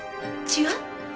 違う？